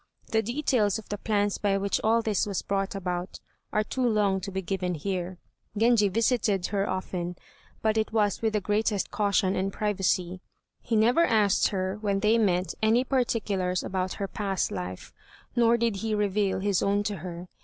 The details of the plans by which all this was brought about are too long to be given here. Genji visited her often, but it was with the greatest caution and privacy; he never asked her when they met any particulars about her past life, nor did he reveal his own to her.